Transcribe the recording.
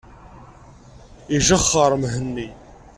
Ijexxeṛ Mhenni.